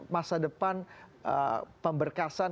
masa depan pemberkasaan